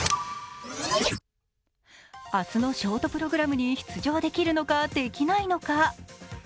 明日のショートプログラムに出場できるのか、できないのか。